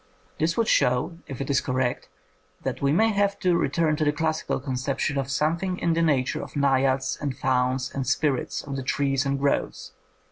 This would show, if it is correct, that we may have to return to the classical conception of some thing in the nature of naiads and fauns and spirits of the trees and groves.